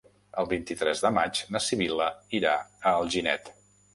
El vint-i-tres de maig na Sibil·la irà a Alginet.